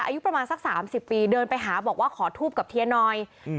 อายุประมาณสักสามสิบปีเดินไปหาบอกว่าขอทูบกับเทียนหน่อยอืม